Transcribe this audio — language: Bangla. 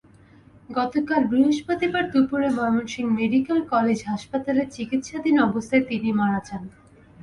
গতকাল বৃহস্পতিবার দুপুরে ময়মনসিংহ মেডিকেল কলেজ হাসপাতালে চিকিৎসাধীন অবস্থায় তিনি মারা যান।